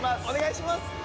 お願いします。